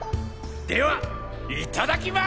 ではいただきま。